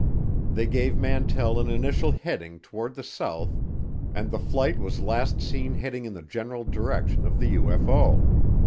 They gave Mantell an initial heading toward the south and the flight was last seen heading in the general direction of the UFO.